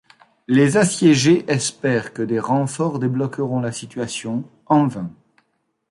Les assiégés espèrent que des renforts débloqueront la situation, en vain.